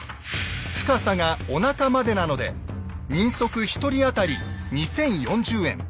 深さがおなかまでなので人足１人当たり２，０４０円。